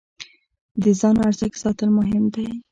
د ځان ارزښت ساتل مهم دی.